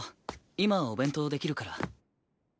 今お弁当できるから。